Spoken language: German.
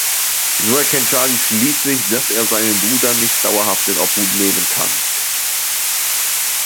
So erkennt Charlie schließlich, dass er seinen Bruder nicht dauerhaft in Obhut nehmen kann.